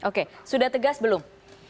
oke sudah tegas belum